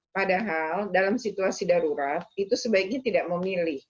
padahal dalam situasi darurat itu sebaiknya tidak memilih